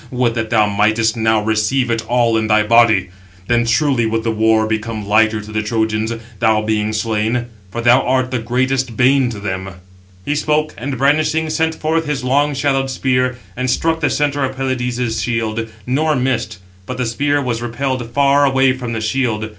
would that thou mightst now receive it all in thy body. Then truly would the war become lighter to the Trojans, thou being slain; for thou art the greatest bane to them." He spoke, and, brandishing, sent forth his long shadowed spear, and struck the centre of Pelides' shield, nor missed; but the spear was repelled far away from the shield.